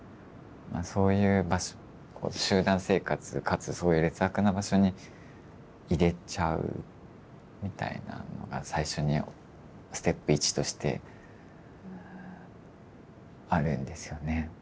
そういう集団生活かつそういう劣悪な場所に入れちゃうみたいなのが最初にステップ１としてあるんですよね。